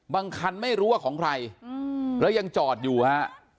คันไม่รู้ว่าของใครแล้วยังจอดอยู่ฮะ